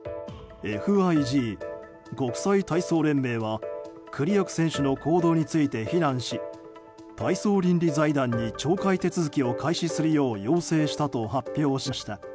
ＦＩＧ・国際体操連盟はクリアク選手の行動について非難し体操倫理財団に懲戒手続きを開始するよう要請したと発表しました。